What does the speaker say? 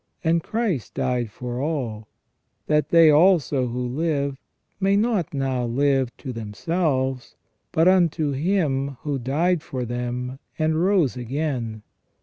And Christ died for all : that they also who live, may not now live to themselves, but unto Him who died for them, and rose again.